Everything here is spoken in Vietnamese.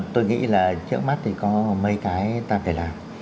tôi nghĩ là trước mắt thì có mấy cái ta phải làm